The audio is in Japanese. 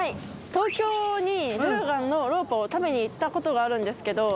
東京に鹿港の肉包を食べにいったことがあるんですけど